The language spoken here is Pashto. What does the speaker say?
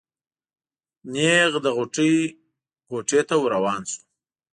نېغ د غوټۍ کوټې ته ور روان شو.